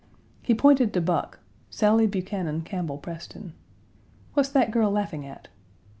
He pointed to Buck Sally Buchanan Campbell Preston. "What's that girl laughing at?"